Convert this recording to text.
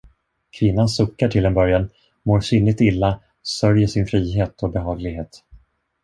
Kvinnan suckar till en början, mår syndigt illa, sörjer sin frihet och behaglighet.